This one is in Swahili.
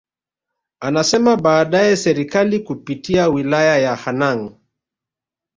Anasema baadaye Serikali kupitia Wilaya ya Hanang